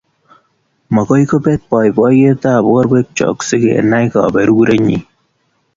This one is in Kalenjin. Maagoi kebet boiboiyetab borwekcho sigenai kaberurenyi